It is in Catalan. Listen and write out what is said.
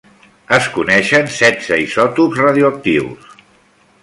Es coneixen setze isòtops radioactius.